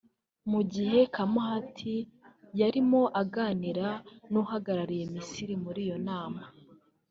mu gihe Khamati yarimo aganira n’uhagarariye Misiri muri iyo nama